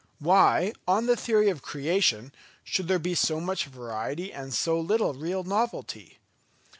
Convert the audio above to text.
Why, on the theory of Creation, should there be so much variety and so little real novelty?